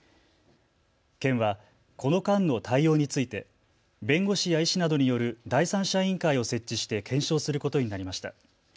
県はこの間の対応について弁護士や医師などによる第三者委員会を設置して検証することになりました。